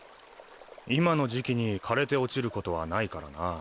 今の時期に枯れて落ちることはないからな。